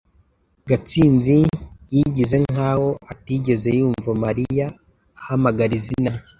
gatsinzi yigize nkaho atigeze yumva mariya ahamagara izina rye